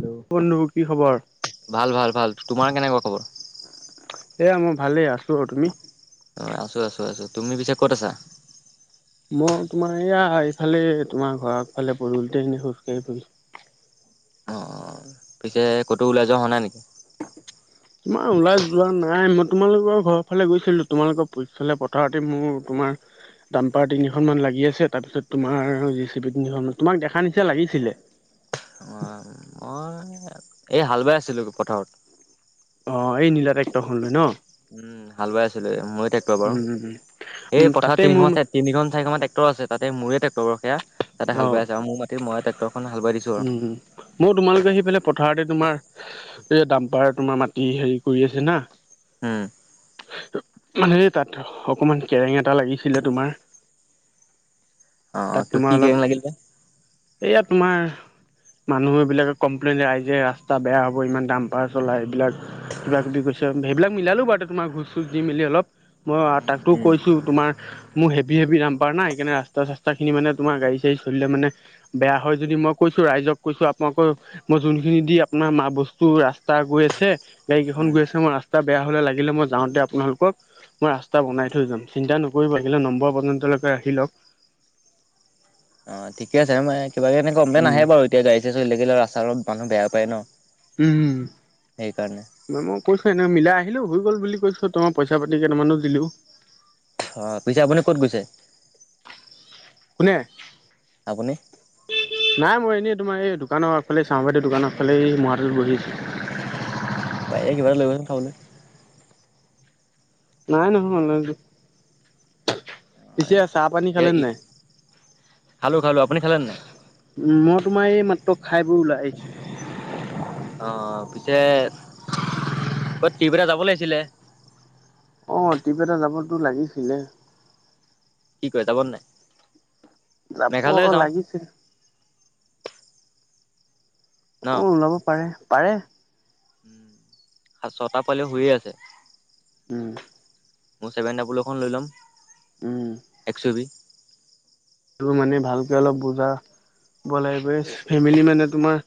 Hello. বন্ধু কি খবৰ? ভাল ভাল ভাল তোমাৰ কেনেকুৱা খবৰ? এয়া মোৰ ভালেই আছো আৰু। তুমি? অ আছোঁ আছোঁ আছোঁ। তুমি পিছো ক'ত আছা? মই তোমাৰ এয়া এইফালে তোমাৰ ঘৰৰ আগফালে পদূলিতে এনে খোজ কাঢ়ি ফুৰিছো। অ' পিছে ক'তো ওলাই যোৱা হোৱা নাই নেকি? তোমাৰ ওলাই যোৱা নাই, মই তোমালোকৰ ঘৰৰ ফালে গৈছিলো তোমালোকৰ পিছফালে পথাৰতে মোৰ তোমাৰ ডাম্পাৰ তিনিখনমান লাগি আছে তাৰপিছত তোমাৰ জেচিবি তিনিখনমান। তোমাক দেখা নিচনা লাগিছিলে। অ মই এই হাল বাই আছিলো পথাৰত। অঁ এই নীলা ট্ৰেক্টৰখনলৈ ন? উম হাল বাই আছিলো মোৰে ট্ৰেক্টৰ বাৰু। উম উম উম উম এই পথাৰত তাতে তিনিখন মোৰ আছে তিনিখন চাৰিখন মান ট্ৰেক্টৰ আছে তাতে মোৰে ট্ৰেক্টৰ বাৰু সেয়া। তাতে হাল বাই অ' আছে অঁ মোৰ মাটি মই ট্ৰেক্টৰখন হাল বাই দিছো আৰু। মোৰ তোমালোকৰ সেইফালে পথাৰতে তোমাৰ এই ডাম্পাৰ তোমাৰ মাটি হেৰি কৰি আছে না উম মানে এই তাত অকমান কেৰেং এটা লাগিছিলে তোমাৰ তাত তোমাৰ অলপ লাগিছিলে এয়া তোমাৰ মানুহ এইবিলাকে কমপ্লেইন ৰাইজে ৰাস্তা বেয়া হ'ব ইমান দম্পাৰ চলাই এইবিলাক কিবা কিবি কৈছে। সেইবিলাক মিলালো বাৰু তোমাৰ ঘোচ চোচ দি মিলি অলপ। মই উম, তাকটো উম, কৈছো তোমাৰ মোৰ হেভি হেভি দাম্পাৰ না সেইকাৰণে ৰাস্তা চাস্তা খিনি মানে তোমাৰ গাড়ী চাড়ী চলিলে মানে বেয়া হয় যদি মই কৈছো ৰাইজক কৈছো, আপোনালোকৰ মই যোনখিনি দি আপোনাৰ মা বস্তু ৰাস্তা গৈ আছে গাড়ী কেইখন উম। গৈ আছে মই ৰাস্তা বেয়া হলে লাগিলে মই যাওঁতে আপোনালোকক মই ৰাস্তা বনাই থৈ যাম, চিন্তা নকৰিব আহিলে নম্বৰ পৰ্যন্তকে ৰাখি লওক। অঁ ঠিক আছে। এ কিবা এনে কমপ্লেইন উম আহে বাৰু এতিয়া গাড়ী চাড়ী চলি থাকিলে ৰাস্তা অ মানুহ বেয়া পায় ন। উম উম সেইকাৰণে। ম মই কৈছো এনেই মিলাই আহিলো হৈ গ'ল বুলি কৈছো তোমাৰ পইচা পাতি কেইটানো দিলো। অ' পিছে আপুনি ক'ত গৈছে? কোনে? আপুনি? নাই মই এনেই তোমাৰ এই দোকানৰ আগফালে চাহমেদৰ দোকানৰ আগফালে মূহা এটালৈ বহি আছো। এ কিবা এটা লৈ আহিব চোন খাবলৈ। নাই নহয় অনলাইন। পিছে চাহ পানী খালে নে নাই? খালো খালো আপুনি খালে নাই? উম মই তোমাৰ এই মাত্ৰ খাই বৈ ওলাই আহিছো। অ পিছে ক'ত ট্ৰিপ এটা যাব লাগিছিলে? অঁ ট্ৰিপ এটা যাবতো লাগিছিলে। কি কয় যাব নে নাই? যাব মেঘালয় যাওঁ লাগিছিল। ন? অ ওলাব পাৰে পাৰে। উম। ছটা পুৱালিও শুয়ে আছে। উম। মোৰ ছেভেন ডাবল এখন লৈ ল'ম, উম একশবি। সেইটো মানে ভালকে অলপ বুজা, বলাই বৈ ফেমিলি মানে তোমাৰ-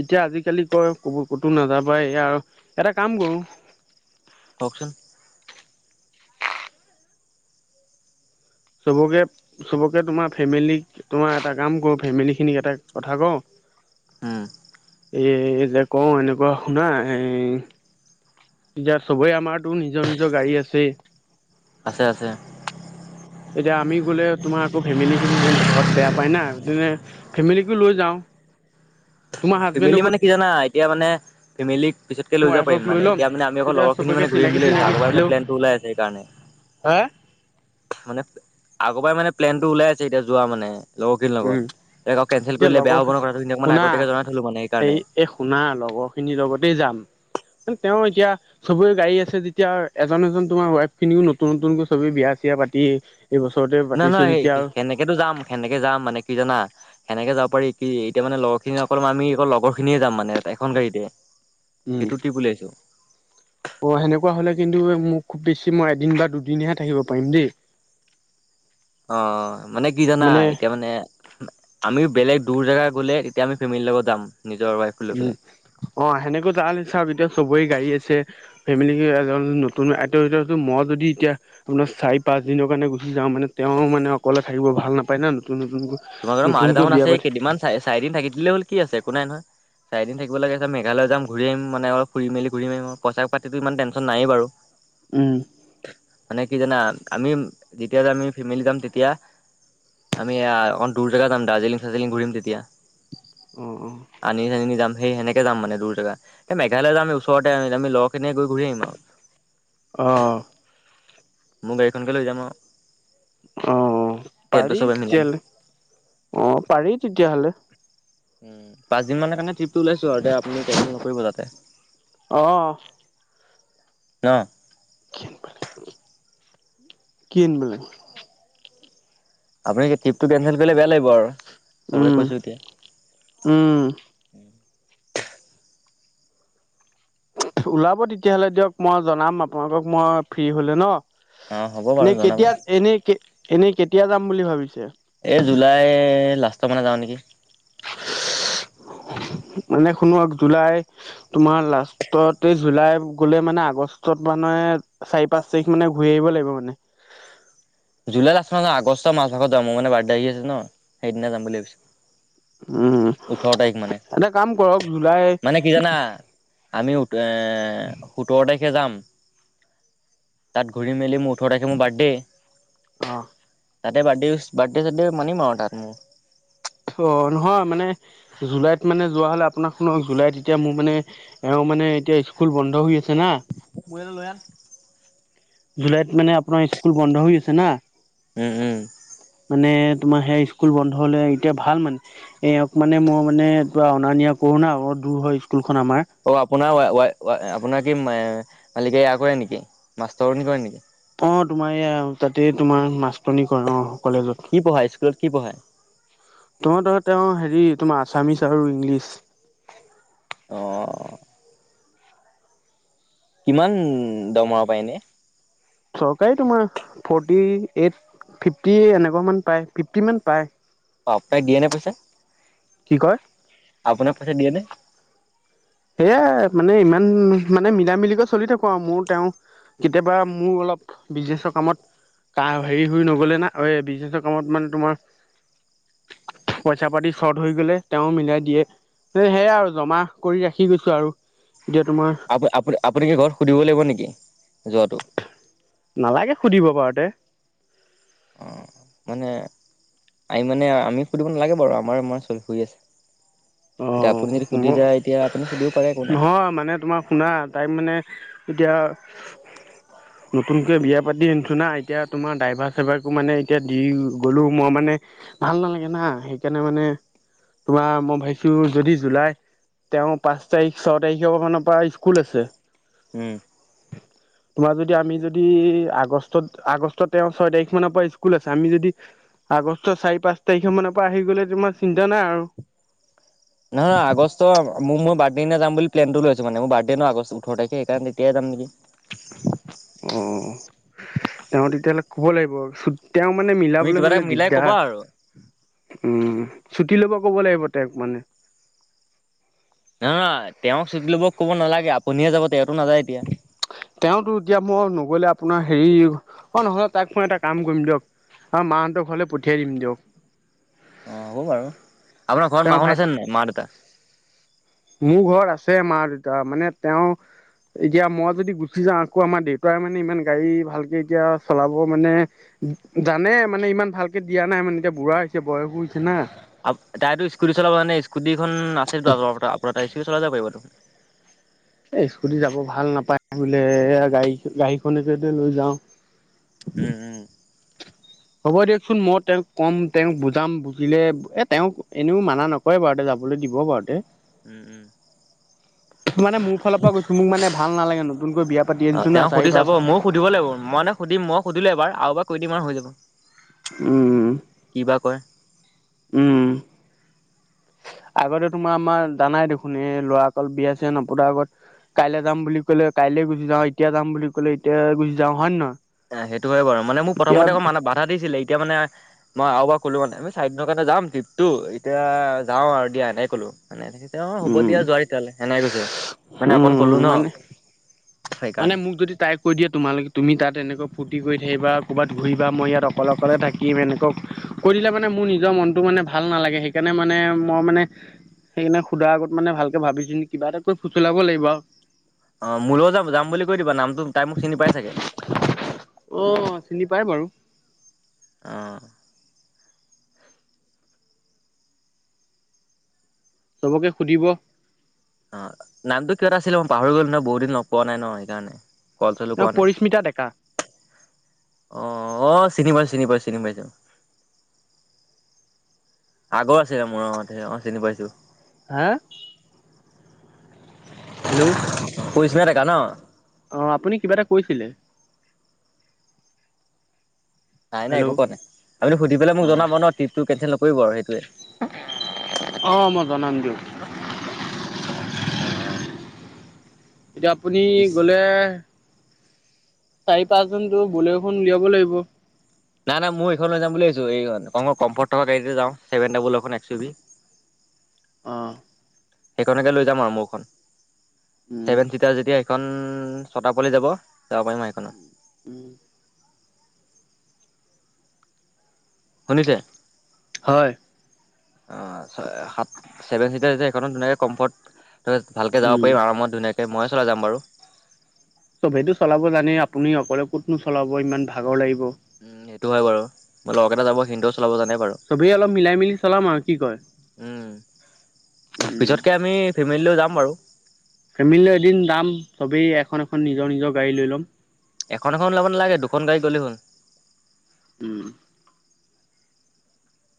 এতিয়া আজিকালি কয় কব ক'তো নাযাবা এই আৰু এটা কাম কৰো। কচোন। চবকে- চবকে তোমাৰ ফেমিলিক তোমাৰ এটা কাম কৰোঁ ফেমিলিখিনিক এটা কথা কওঁ। উম। এই যে কওঁ এনেকুৱা শুনা এই- এতিয়া চবেই আমাৰতো নিজৰ নিজৰ গাড়ী আছে। আছে আছে। এতিয়া আমি গ'লে তোমাৰ আকৌ ফেমিলিখিনিয়ে ঘৰত বেয়া পায় না- ফেমিলিকো লৈ যাওঁ। তোমাৰ ফেমিলি হাজবেণ্ডকো মানে কি জানা এতিয়া মানে- ফেমিক পিতকে লৈ যাব পাৰি ৱাইফক মানে ল'ম এতিয়া মানে আমি অকল তেতিয়া লগখিন চবকে মানে ঘূৰিম চিনাকি বুলি ভাবিছোঁ চিনাকি আগৰ পায়ে হেল্ল' প্লে ওলাই আছে সেইকাৰণে। হা। মানে আগৰ পৰাই মানে প্লেন টো ওলাই আছে এতিয়া যোৱা মানে। লগৰ খিনি উম লগত, আকৌ কেঞ্চেল এতিয়া কৰিলে বয়া লগৰ হ'ব ন কথা মানে শুনা আগতিয়াকে জনাই থলো মানে এই সেইকাৰণে। এই শুনা লগৰ খিনিৰ লগতে যাম, তেওঁ এতিয়া- চবে গাড়ী আছে যেতিয়া এজন এজন তোমাৰ ৱাইফ খিনিও নতুন নতুনকৈ চবেই বিয়া চিয়া পাতি- এই বছৰতে পাতিছো যেতিয়া আৰু। সেনেকে যাম সেনেকে যাম মানে কি জানা। সেনেকে যাব পাৰি কি এতিয়া মানে লগৰ খিনি অকল আমি লগৰ খিনিয়ে যাম মানে এখন গাড়ীতে। উম। সেইটোতে বুলিয়ে ভাবিছোঁ। অ সেনেকুৱা হলে কিন্তু মোক খুব বেছি মই এদিন বা দুদিনহে থাকিব পাৰিম দেই। [unintelligible] অ মানে কি জানা মানে এতিয়া মানে- আমি বেলেগ দুৰৰ জেগা গ'লে তেতিয়া আমি ফেমিলিৰ লগত যাম নিজৰ ৱাইফ। লৈ উম, পেলাই অ সেনেকৈ যা চবৰ আৰু এতিয়া চবৰে গাড়ী আছে। ফেমিলি এজন নতুন আইতৰ ভিতৰতো মই যদি এতিয়া- আপোনাৰ চাৰি পাঁচ দিনৰ কাৰণে গুচি যাওঁ মানে তেওঁ মানে অকলে থাকিব ভাল নাপায় না নতুন নতুনকৈ। তোমাৰ ঘৰ মাৰ নতুনকৈ দেওতা বিয়া আছে পাতি কেইদিন চাৰিদিন থাকি দিলে হ'ল কি আছে একো নাই নহয়। চাৰিদিন থাকিব লাগে আছে মেঘালয় যাম ঘূৰিম মানে অলপ ঘূৰিম ফুৰি মেলিম ঘূৰিম পইচা পাতিটো ইমান টেনচন নাই বাৰু। উম। মানে কি জানা আমি যেতিয়া যে আমি ফেমিলি যাম তেতিয়া- আমি অকণ দূৰ জেগাত যাম দাৰ্জিলিং চাৰ্জিলিং ঘূৰিম তেতিয়া। অঁহ অঁহ। আনি চানি নি যাম সেই সেনেকৈ যামান দূৰ জেগা এই মেঘালয় যামি ওচৰতে জাম আমি লগৰখিনিয়ে গৈ ঘূৰি আহিম আৰু। অ। মোৰ গাড়ীখনকে লৈ যাম আৰু। অ অ তেলটো পাৰি চবে মিলাম তেতিয়াহলে, অ পাৰি তেতিয়া হ'লে। উম পাঁচ দিনৰ কাৰণে ত্ৰিপ ওলাইছো আৰু আপুনি টেনচন নকৰিব যাতে। অহ। ন? কি আনিব লাগে, কি আনিব লাগে? আপুনি ট্ৰিপটো কেনচেল কৰিলে বেয়া লাগিব আৰু, চবকে উম কৈছোঁ এতিয়া। উম। ওলাব তেতিয়াহ'লে দিয়ক, মই জনাম আপোনালোকক মই ফ্ৰী হ'লে ন? অ হ'ব বাৰু এনেই জনাব কেতিয়া-এনে কে-এনেই কেতিয়া যাম বুলি ভাবিছে? এই জুলাই লাষ্টৰ মানে যাওঁ নেকি। মানে শুনক, জুলাই তোমাৰ লাষ্টত এই জুলাই গ'লে মানে আগষ্টত মানে চাৰি-পাঁচ তাৰিখ মানে ঘূৰি আহিব লাগিব মানে। জুলাই লাষ্টত নহয়, আগষ্টৰ মাজভাগত যাম, মোৰ মানে বাৰ্থডে আহি আছে ন, সেইদিনা যাম বুলি ভাবিছো। উম, ওঠৰ তাৰিখ মানে এটা কাম কৰক, জুলাই মানে কি জানা? আমি ওঠ-এ সোতৰ তাৰিখে যাম, তাত ঘূৰি মেলি মোৰ ওঠৰ তাৰিখে মোৰ বাৰ্থডে', অ তাতে বাৰ্থডে ৱিচ-বাৰ্থডে'-চাৰ্থডে মানিম আৰু তাতে মোৰ। অ', নহয় মানে, জুলাইত মানে যোৱা হ'লে, আপোনাৰ শুনক, জুলাইত এতিয়া মোৰ মানে এওঁ মানে এতিয়া স্কুল বন্ধ হৈ আছে না। মোলে এটা লৈ আন। জুলাইত মানে আপোনাৰ স্কুল বন্ধ হৈ আছে না? উম উম। মানে তোমাৰ সেই স্কুল বন্ধ হ'লে, এতিয়া ভাল মানে। এওঁক মানে মোৰ মানে পুৰা অনা নিয়া কৰোঁ না, অলপ দূৰ হয় স্কুলখন আমাৰ। অ', আপোনাৰ ৱাই-ৱাই-ৱাই, আপোনাৰ কি মালিকে ইয়া কৰে নেকি, মাষ্টৰণী কৰে নেকি? অ', তোমাৰ এইয়া, তাতে তোমাৰ মাষ্টৰণী কৰে, অ', কলেজত। কি পঢ়ায়, স্কুলত কি পঢ়ায়? নহয় নহয়, তেওঁ হেৰি তোমাৰ আছামিছ আৰু ইংলিছ। অ' কিমান দৰমহা পায় এনে? চৰকাৰী তোমাৰ, ফৰ্টি এইট-ফিফটি এনেকুৱা মান পায়, ফিফটি মান পায়। অ', আপোনাক দিয়ে নে পইচা? কি কয়, আপোনাক পইছা দিয়ে নে? সেয়াই মানে ইমান, মানে মিলাই-মিলিকৈ চলি থাকোঁ আৰু মোৰ তেওঁ কেতিয়াবা মোৰ অলপ বিজনেছৰ কামত কাৰ হেৰি হৈ নগ'লে না, এই বিজনেছৰ কামত মানে তোমাৰ পইচা পাতি চৰ্ট হৈ গলে তেওঁ মিলাই দিয়ে, সেয়াই আৰু জমা কৰি ৰাখি গৈছোঁ আৰু। এতিয়া তোমাৰ আপুনি-আপুনি-আপুনি কি ঘৰত সুধিব লাগিব নেকি যোৱাটো? নালাগে সুধিব বাৰু তে। অ', মানে আমি মানে আমি সুধিব নালাগে বাৰু, আমাৰ-আমাৰ চলি-হৈ আছে। অ এতিয়া আপুনি যদি সুধি যায়, তেতিয়া আপুনি সুধিব পাৰে, একো নাই। নহয়, মানে তোমাৰ শুনা তাই মানে এতিয়া নতুনকে বিয়া পাতি আনিছোঁ না, এতিয়া তোমাৰ ড্ৰাইভাৰ চাইভাৰ মানে এতিয়া দি গ'লেও মই মানে ভাল নালাগে না সেইকাৰণে মানে তোমাৰ মই ভাবি টো যদি জুলাই তেওঁৰ পাঁচ তাৰিখ ছয় তাৰিখৰ মানৰ পৰা স্কুল আছে উম [unintelligible] তোমাৰ যদি আমি যদি আগষ্টত আগষ্টত তেওঁ ছয় তাৰিখ মানৰ পৰা স্কুল আছে আমি যদি আগষ্টৰ চাৰি পাঁচ তাৰিখৰ মানৰ পৰা আহি গ'লে তোমাৰ চিন্তা নাই আৰু নহয় আগষ্ট মই মোৰ বাৰ্থডেই দিনা যাম বুলি প্লেনটো লৈ আছোঁ মানে বাৰ্থডে আগষ্ট ওঠৰ তাৰিখে সেইকাণে তেতিয়াই যাম নিকি অ তেওঁ তেতিয়া হ'লে কব লাগিব তেওঁ মানে তুমি মিলাবলৈ কিবা এটা মানে মিলাই ক'বা দিগদাৰ আৰু উম ছুটি ল'ব ক'ব লাগিব তেওঁক মানে নহয় তেওঁক চুটি লব ক'ব নালাগে আপুনিহে যাব তেওঁতো নাযায় এতিয়া তেওঁতো এতিয়া মই নগলে আপোনাৰ হেৰি অ নহলে তাক মই এটা কাম কৰিম দিয়ক অঁ মাহঁতক ঘৰলে পঠিয়াই দিম দিয়ক অ হ'ব বাৰু আপোনাৰ ঘৰত তেওঁৰ মা হত ভাইত আছে নাই মা-দেউতা মোৰ ঘৰত আছে মা-দেউতা মানে তেওঁ এতিয়া মই যদি গুচি যাওঁ আকৌ আমাৰ দেউতাই মানে ইমান গাড়ী ভালকে এতিয়া চলাব মানে জানে মানে ইমান ভালকে দিয়া নাই মানে এতিয়া বুঢ়া হৈছে বয়সো হৈছে না আপ--তাই ত স্কুটি চলাব জানে স্কুটীখন আছিলটো আপনাৰ তাই স্কুটি চলাই যাব পাৰিব তো এ স্কুটি যাব ভাল নাপায় বোলে গাড়ী গাড়ীখনকেতে লৈ যাওঁ উম উম হ'ব দিয়কচোন মই তেওঁক কম তেওঁক বুজাম বুজিলে এ তেওঁক এনেও মানা ন হয় বাউ তাই যাবলৈ দিব বাৱতে উম উম মানে মোৰ ফালৰ পৰা কৈছোঁ মোক মানে ভাল নালাগে নতুনকৈ বিয়া পাতি আনিছো না চাৰি পাঁচ দিব লাগিব মই মানে সুদিম মই সুধিলো এবাৰ আৰু এবাৰ কৈ দিম হৈ যাব উম কি বা কয় উম আগতে তোমাৰ আমাৰ জানাই দেখোন এই ল'ৰা সকল বিয়া চিয়া নপতা আগত কাইলে যাম বুলি ক'লে কাইলে গুচি যাওঁ এতিয়া যাম বুলি কলে এতিয়া গুচি যাওঁ হয় নে নহয় অ সেইটো হয় বাৰু মানে মোক এতিয়া প্ৰথমতে মানা বাধা দিছিলে এতিয়া মানে মই আৰু এবাৰ ক'লো মানে আমি চাৰিদিনৰ কাৰণে যাম ট্ৰিপটো এতিয়া যাওঁ আৰু দিয়া এনেকে ক'লো মানে অ হ'ব উম দিয়া যোৱা তেতিয়া হলে সেনাকে কৈছে মানে অকণ উম কলো ন মানে মানে সেইকাৰণে মোক যদি তাই কৈ দিয়ে তোমালোকে তুমি তাত এনেকৈ ফূৰ্তি কৰি থাকিবা ক'ৰবাত ঘূৰিবা মই ইয়াত অকলে অকলে থাকিম এনে-ক কৈ দিলে মানে মোৰ নিজৰ মনটো মানে ভাল নালাগে সেইকাৰণে মানে মই মানে সেইকাৰণে সুধা আগত মানে ভালকে ভাবি চিন্তি কিবা এটা কৰি ফুচলাব লাগিব আউ অ মোৰ লগত যাম যাম বুলি কৈ দিবা নামটো তাই মোক চিনি পাই চাগে অ চিনি পায় বাৰু অহঁ চবকে সুধিব অ নামটো কিবাতা আছিল মই পাহৰি গল নহয় বহুত দিন লগ পোৱা নাই ন সেইকাৰণে ক'ল চলো ন কৰা নাই পৰিস্মিতা ডেকা অ অ চিনি পাইছো চিনি পাইছো চিনি পাইছো আগত আছিলে মোৰ অ চিনি পাইছো হেএ হেল্ল' [unintelligible] অ আপুনি কিবা এটা কৈছিলে নাই নাই হেল্ল' একো কোৱা নাই আপুনি সুধি পেলায় মোক জনাব অ' ন ট্ৰিপটো কেঞ্চেল নকৰি আৰু সেইটোৱে অ মই জনাম দি অ অ এতিয়া আপুনি পিছ গ'লে চাৰি পাঁচজনতো বলেৰখন উলিয়াব লাগিব নাই নাই মই এইখন ল যাম ভাবিছোঁ এইখন অণ ম কমফৰ্ট থকা গাড়ীতে যা ছেভেন ডাবুল এ একচু বি অঁ সেইখনকে লৈ যাম আৰু মোৰখন উম, ছেভেন চিটাৰ যেতিয়া এইখন ছটা পোৱালি যাব যাব পাৰিম এইখনত উম শুনিছে হয় অ সাত ছেভেন চিষ্টাৰ যেতিয়া সেই খনত যে ধুনীয়াকৈ কম্ফৰ্ট ত ভালকৈ যাব উম। পাৰিম আৰু ধুনিয়াকে মই চালাই যাম বাৰু চবেইটো চলাব জানেই আপুনি অকলে ক'তনো চলাব ইমান ভাগৰ লাগিব উম সেইটো হয় বাৰু মোৰ লগৰ কেইটা যাব সিহতেও চলাব জানে বাৰু চবেই অলপ মিলাই মিলি কৰি চলাম আৰু কি কয় উম, উম পিছতকে আমি ফেমিলিলৈ যাম বাৰু ফেমিলিলৈ এদিন যাম চবেই এখন এখন নিজৰ নিজৰ গাড়ী লৈ ল'ম এখন এখন লব নালাগে দুখন গাড়ী গ'লে হ'ল উম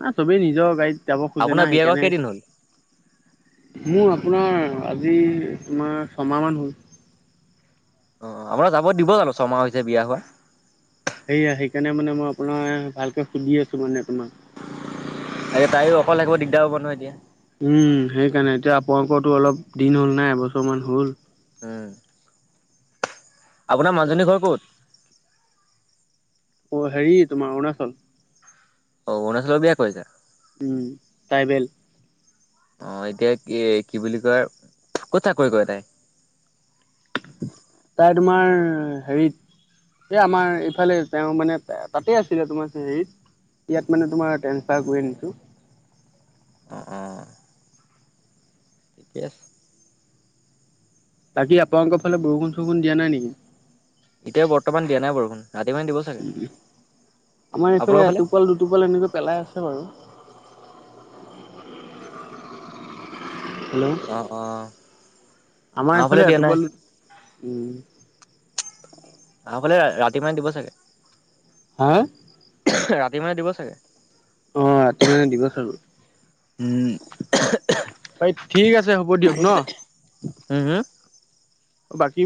না চবেই নিজৰ গাড়ীত যাব খোজে আপোনাৰ না বিয়া কৰা সেইকাৰণে কেইদিন হ'ল? মোৰ আপোনাৰ আজি তোমাৰ ছমাহ মান হ'ল অ আপোনাৰ যাব দিব জানো ছমাহ হৈছে বিয়া হোৱা সেয়াই সেইকাৰণে মানে মই আপোনাৰ ভালকৈ সুধি আছোঁ মানে তোমাক এতিয়া তাইও অকলে অকলে থাকিব দিগদাৰ হব নহয় এতিয়া উম সেইকাৰণে এতিয়া আপোনালোকৰটো অলপ দিন হ'ল না এবছৰমান হ'ল অ আপোনাৰ মাজুহজনীৰ ঘৰ ক'ত অ হেৰি তোমাৰ অৰুণাচল অ অৰুণাচলৰ বিয়া কৰিছে। উম ট্ৰাইবেল। অ এতিয়া কি কি বুলি কয় ক'ত চাকৰি কৰে তাই তাই তোমাৰ হেৰিত এ আমাৰ ইফালে তেওঁ মানে তাতেই আছিলে তোমাৰ হেৰিত ইয়াত মানে তোমাৰ ট্ৰেন্ঞ্চফাৰ কৰি আনিছোঁ অঁ অঁ ঠিকে আছে বাকী আপালোকৰ ফালে বৰষুণ চৰষুণ দিয়া নাই নেকি এতিয়া বৰ্তমান দিয়া নাই বৰষুণ ৰাতি মানে দিব চাগে আমাৰ এইফালে আপোনালোকৰ ফালে? এটোপাল দুটোপাল এনেকৈ পেলাই আছে বাৰু হেল্ল' অ অ আমাৰ ফালে এইফালে দিয়া নাই এটোপাল উ ওম আমাৰফালে ৰাতি মানে দিব চাগে। হা ৰাতি মানে দিব চাগে। অঁ ৰাতি মানে দিব চাগৈ উমঁ! এই ঠিক আছে হ'ব দিয়ক ন। হম হম! বাকী